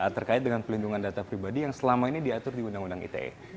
terkait dengan pelindungan data pribadi yang selama ini diatur di undang undang ite